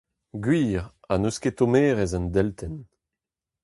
Gwir, ha n'eus ket tommerez en deltenn.